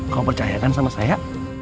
kau percayakan sama saya